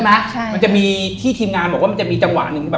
มันจะมีที่ทีมงานบอกว่ามันจะมีจังหวะนึง